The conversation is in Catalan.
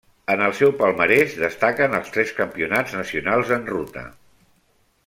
En el seu palmarès destaquen els tres Campionats nacionals en ruta.